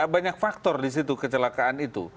banyak faktor di situ kecelakaan itu